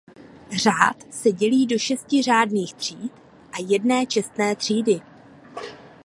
Řád se dělí do šesti řádných tříd a jedné čestné třídy.